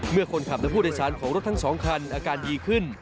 เมื่อคนขับและผู้โดยสารของรถทั้ง๒คันอาการดีขึ้น